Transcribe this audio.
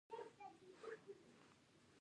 افغانستان د پابندی غرونه په اړه علمي څېړنې لري.